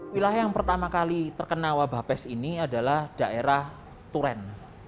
wilayah yang pertama kali terkena wabah pes ini adalah daerah turen